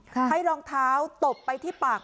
ให้รองเท้าตบไปที่ปาก